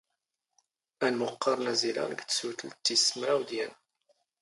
ⴰⵏⵎⵓⵇⵇⴰⵔ ⵏ ⴰⵣⵉⵍⴰⵍ ⴳ ⵜⵙⵓⵜⵍⵜ ⵜⵉⵙⵙ ⵎⵔⴰⵡ ⴷ ⵢⴰⵏ.